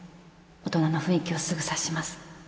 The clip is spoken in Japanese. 大人の雰囲気をすぐ察します